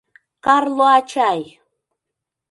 — Карло ачай!